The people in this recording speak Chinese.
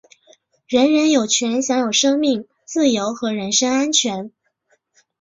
人人有权享有生命、自由和人身安全。